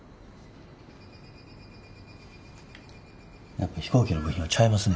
やっぱ飛行機の部品はちゃいますね。